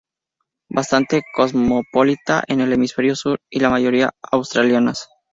Bastante cosmopolita, en el Hemisferio Sur, y la mayoría australianas.